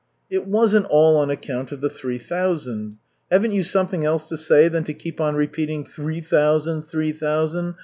"It wasn't all on account of the three thousand. Haven't you something else to say than to keep on repeating 'three thousand, three thousand?'